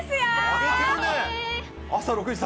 あげてるね。